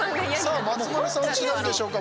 さあ、松丸さんは違うんでしょうか。